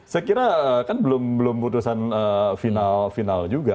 saya kira kan belum putusan final final juga